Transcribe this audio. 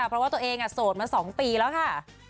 เพราะว่าตัวเองโสดมา๒ปีแล้วค่ะ